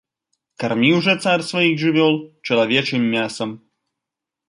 Карміў жа цар сваіх жывёл чалавечым мясам.